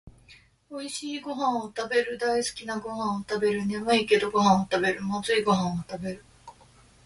おいしいごはんをたべる、だいすきなごはんをたべる、ねむいけどごはんをたべる、まずいごはんをたべる